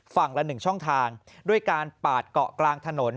ละ๑ช่องทางด้วยการปาดเกาะกลางถนน